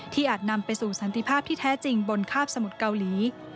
อาจนำไปสู่สันติภาพที่แท้จริงบนคาบสมุทรเกาหลี